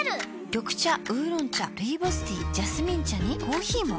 緑茶烏龍茶ルイボスティージャスミン茶にコーヒーも。